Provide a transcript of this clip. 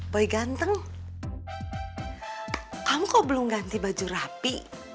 boy ganteng kamu kok belum ganti baju rapi